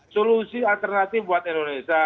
solusi alternatif buat indonesia